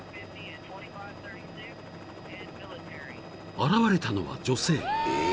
［現れたのは女性］